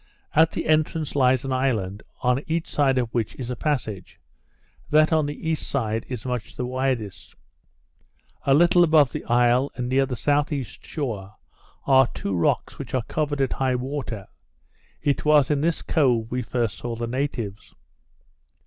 At the entrance, lies an island, on each side of which is a passage; that on the east side is much the widest. A little above the isle, and near the S.E. shore, are two rocks which are covered at high water. It was in this cove we first saw the natives.